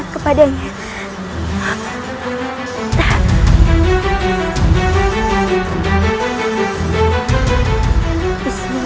dan lebih berhati hati denganmu